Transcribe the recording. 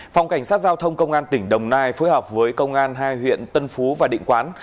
phòng cảnh sát giao thông công an tỉnh đồng nai phối hợp với công an hai huyện tân phú và định quán